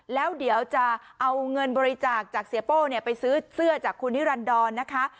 แล้วเดี๋ยวจะเอาเงินบริจาคจากเสียโป้ไปซื้อเสื้อจากคุณนิรันดรนะคะ